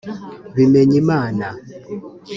Bimenyimana